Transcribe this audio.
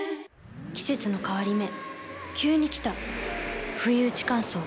季節の変わり目急に来たふいうち乾燥。